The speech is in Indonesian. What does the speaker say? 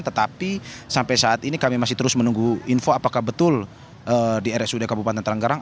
tetapi sampai saat ini kami masih terus menunggu info apakah betul di rsud kabupaten tanggerang